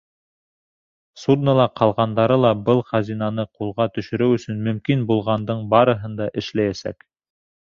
Суднола ҡалғандары ла был хазинаны ҡулға төшөрөү өсөн мөмкин булғандың барыһын да эшләйәсәк.